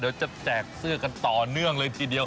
จะแจกเสื้อกันต่อเนื่องเลยทีเดียว